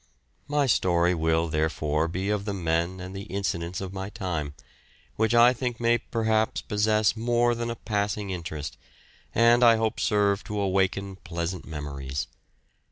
My story will therefore be of the men and the incidents of my time, which I think may perhaps possess more than a passing interest, and I hope serve to awaken pleasant memories.